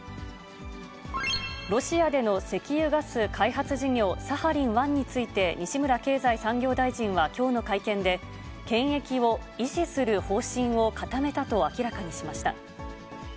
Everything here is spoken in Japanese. ロシアでの石油・ガス開発事業、サハリン１について西村経済産業大臣はきょうの会見で、権益を維持する方針を固めたと明らかにしました。